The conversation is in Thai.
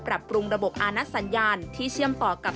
ปรับปรุงระบบอาณัสสัญญาณที่เชื่อมต่อกับ